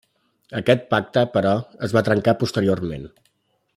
Aquest pacte, però, es va trencar posteriorment.